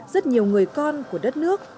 rất nhiều người con của đất nước